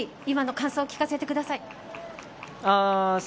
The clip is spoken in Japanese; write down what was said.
感想を聞かせてください。